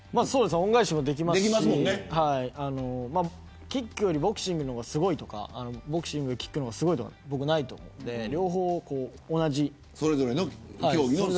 恩返しもできますしキックよりボクシングの方がすごいとかボクシングよりキックの方がすごいとか僕はないと思っているので。